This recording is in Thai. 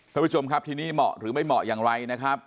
ท่านผู้ชมครับทีนี้เหมาะหรือไม่เหมาะอย่างไรนะครับ